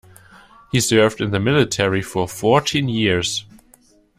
He served in the military for fourteen years.